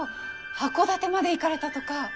箱館まで行かれたとか。